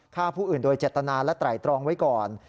ฆ่าผู้อื่นโดยเจตนาและไตรตรองไว้ก่อน